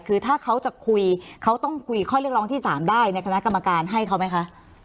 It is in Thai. คือถ้าเขาจะคุยเขาต้องคุยข้อเรียกร้องที่๓ได้ในคณะกรรมการให้เขาไหมคะ